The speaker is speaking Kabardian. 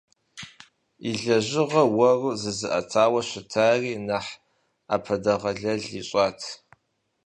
И лэжьыгъэ уэру зызыӏэтауэ щытари нэхъ ӏэпэдэгъэлэл ищӏат.